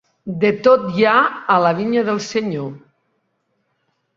De tot hi ha a la vinya del Senyor.